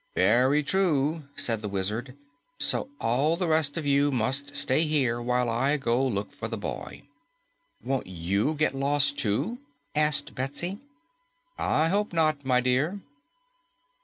"Very true," said the Wizard. "So all the rest of you must stay here while I go look for the boy." "Won't YOU get lost, too?" asked Betsy. "I hope not, my dear."